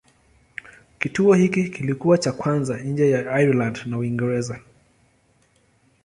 Kituo hiki kilikuwa cha kwanza nje ya Ireland na Uingereza.